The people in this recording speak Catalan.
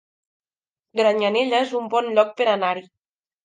Granyanella es un bon lloc per anar-hi